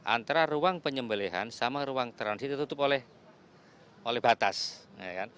antara ruang penyembelihan sama ruang transit itu tutup orang